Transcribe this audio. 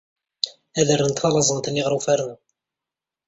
Ad rrent talazant-nni ɣer ufarnu.